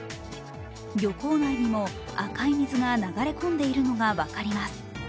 漁港内にも赤い水が流れ込んでいるのが分かります。